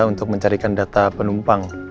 untuk mencarikan data penumpang